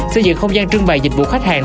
xây dựng không gian trưng bày dịch vụ khách hàng